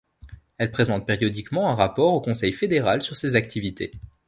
Elle présente périodiquement un rapport au Conseil fédéral sur ses activités.